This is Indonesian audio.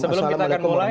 sebelum kita akan mulai